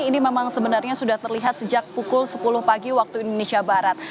ini memang sebenarnya sudah terlihat sejak pukul sepuluh pagi waktu indonesia barat